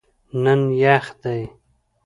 نن یخ دی